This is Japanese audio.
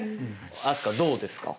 飛鳥どうですか？